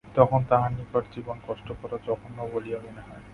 তখন তাহার নিকট জীবন কষ্টকর ও জঘন্য বলিয়া মনে হয়।